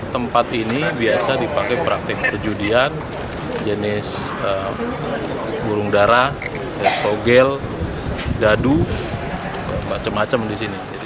tempat ini biasa dipakai praktik perjudian jenis burung darah togel gadu macam macam di sini